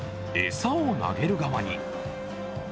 餌を投げる側に。